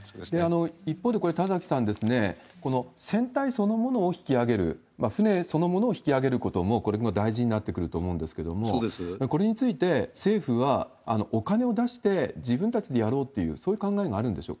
一方で、これ、田崎さん、この船体そのものを引き揚げる、船そのものを引き揚げることも、これも大事になってくると思うんですけれども、これについて政府はお金を出して、自分たちでやろうっていう、そうです。